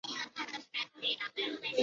讷伊莱旺丹。